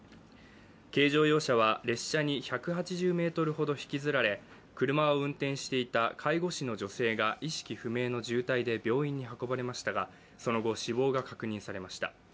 軽乗用車は列車に１８０ｍほど引きずられ車を運転していた介護士の女性が意識不明の重体で病院に運ばれましたが、その後、死亡が確認されました。